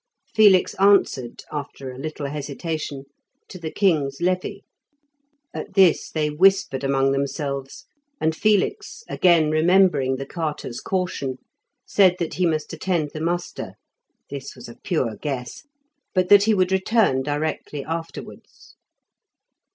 Felix answered, after a little hesitation, to the king's levy. At this they whispered among themselves, and Felix, again remembering the carters' caution, said that he must attend the muster (this was a pure guess), but that he would return directly afterwards.